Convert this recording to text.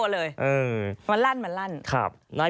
เลยมันอำมาตย์